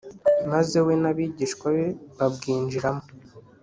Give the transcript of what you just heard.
maze we nabigishwa be babwinjiramo .